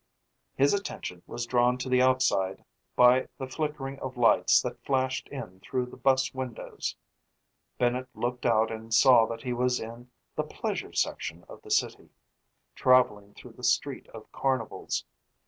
His attention was drawn to the outside by the flickering of lights that flashed in through the bus windows. Bennett looked out and saw that he was in the Pleasure Section of the city, traveling through the Street of Carnivals.